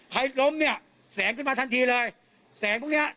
ล้มเนี่ยแสงขึ้นมาทันทีเลยแสงพวกเนี้ย